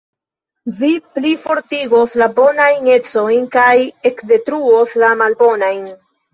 Vi plifortigos la bonajn ecojn kaj ekdetruos la malbonajn.